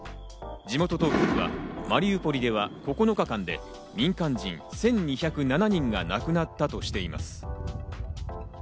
地元当局はマリウポリでは９日間で民間人１２０７人が亡くなったとしています。